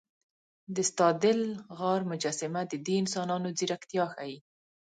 د ستادل غار مجسمه د دې انسانانو ځیرکتیا ښيي.